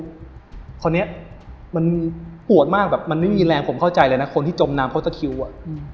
คราวนี้มันปวดมากแบบมันไม่มีแรงผมเข้าใจเลยนะคนที่จมน้ำเพราะตะคิวอ่ะ